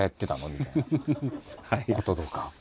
みたいなこととか。